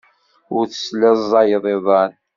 Ur teslaẓayeḍ iḍan.